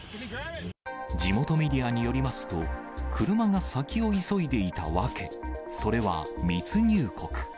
地元メディアによりますと、車が先を急いでいた訳、それは、密入国。